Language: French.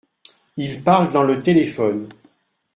Il parle dans le téléphone.